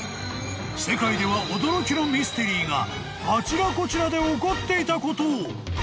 ［世界では驚きのミステリーがあちらこちらで起こっていたことを］